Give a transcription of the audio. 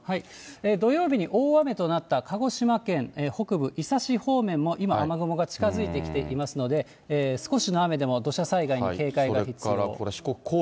土曜日に大雨となった鹿児島県北部伊佐市方面も今は雨雲が近づいてきていますので、少しの雨でも土砂災害に警戒が必要。